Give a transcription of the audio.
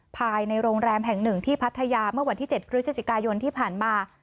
ภายในโรงแรมแห่งหนึ่งที่พัทยาเมื่อวันที่๗พฤศจิกายนที่ผ่านมา